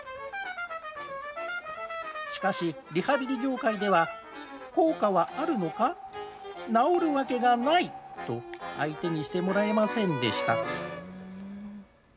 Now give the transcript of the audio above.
しかし、リハビリ業界では、効果はあるのか、治るわけがないと、相手にしてもらえませんでした。